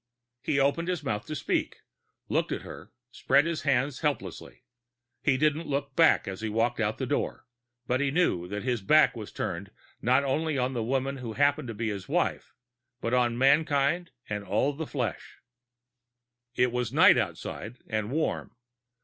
He opened his mouth to speak, looked at her, spread his hands helplessly. He didn't look back as he walked out the door, but he knew that his back was turned not only on the woman who happened to be his wife, but on mankind and all of the flesh. It was night outside, and warm.